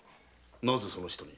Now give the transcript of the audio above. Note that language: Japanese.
なぜその人に？